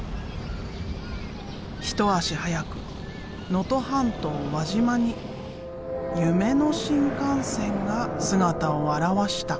一足早く能登半島輪島に夢の新幹線が姿を現した。